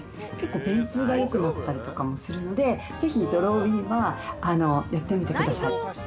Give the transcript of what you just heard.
便通がよくなったりもするので、ぜひドローインはやってみてください。